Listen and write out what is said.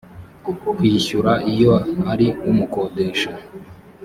kwishyura iyo ari umukodesha